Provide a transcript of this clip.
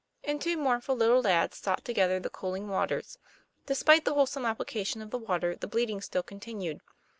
And two mournful little lads sought together the cooling waters. Despite the wholesome application of the water, the bleeding still continued.